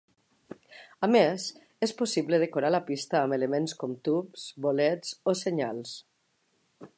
A més, és possible decorar la pista amb elements com tubs, bolets o senyals.